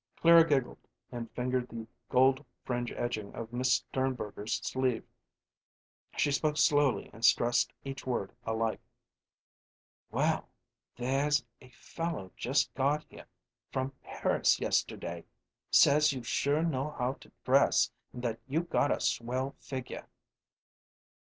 Clara giggled and fingered the gold fringe edging of Miss Sternberger's sleeve. She spoke slowly and stressed each word alike. "Well, there's a fellow just got here from Paris yesterday says you sure know how to dress and that you got a swell figure."